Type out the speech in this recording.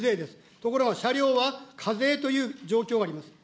ところが車両は課税という状況があります。